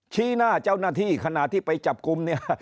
ชี้หน้าเจ้าหน้าที่ขณะที่ไปจับกลุ่มเนี่ย